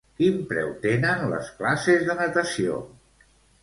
Quin preu tenen les classes de natació?